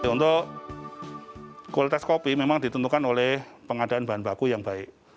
untuk kualitas kopi memang ditentukan oleh pengadaan bahan baku yang baik